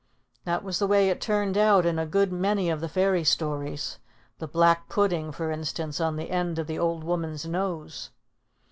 That was the way it turned out in a good many of the fairy stories, the black pudding, for instance, on the end of the old woman's nose.